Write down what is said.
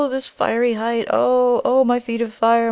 This fiery height! Oh, oh! My feet of fire!